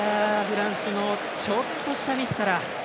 フランスのちょっとしたミスから。